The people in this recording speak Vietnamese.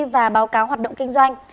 và đáo cáo hoạt động kinh doanh